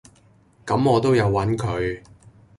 咁我都有搵佢